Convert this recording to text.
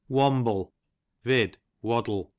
Wamble, vid. waddle.